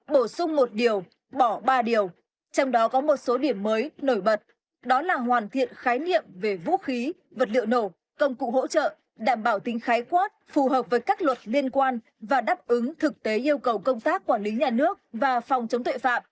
bổ sung một điều bỏ ba điều trong đó có một số điểm mới nổi bật đó là hoàn thiện khái niệm về vũ khí vật liệu nổ công cụ hỗ trợ đảm bảo tính khái quát phù hợp với các luật liên quan và đáp ứng thực tế yêu cầu công tác quản lý nhà nước và phòng chống tội phạm